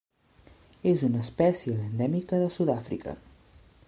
És una espècie endèmica de Sud-àfrica.